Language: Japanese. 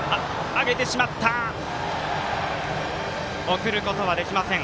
送ることはできません。